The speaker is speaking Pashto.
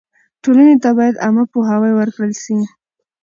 ټولنې ته باید عامه پوهاوی ورکړل سي.